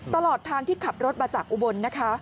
ตลอดทางที่ขับรถมาจากอุบลนะคะ